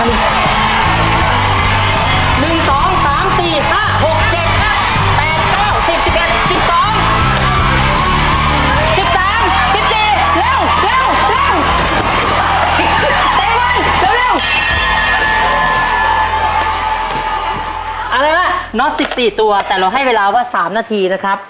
เอาล่ะน็อต๑๔ตัวแต่เราให้เวลาว่า๓นาทีนะครับ